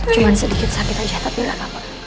cuma sedikit sakit aja tapi gak apa apa